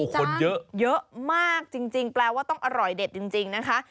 คนเยอะมากจริงแปลว่าต้องอร่อยเด็ดจริงนะคะ